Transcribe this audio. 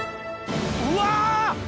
うわ！